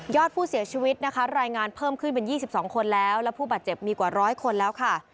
อดผู้เสียชีวิตนะคะรายงานเพิ่มขึ้นเป็น๒๒คนแล้วและผู้บาดเจ็บมีกว่าร้อยคนแล้วค่ะ